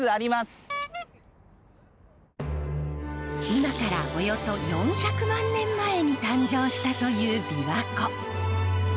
今からおよそ４００万年前に誕生したというびわ湖。